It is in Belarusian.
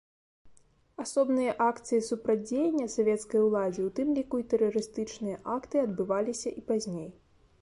Асобныя акцыі супрацьдзеяння савецкай уладзе, у тым ліку і тэрарыстычныя акты адбываліся і пазней.